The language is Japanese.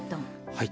はい。